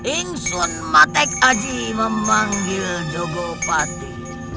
inson matek aji memanggil jogopati